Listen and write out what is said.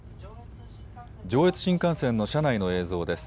上越新幹線の車内の映像です。